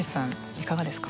いかがですか？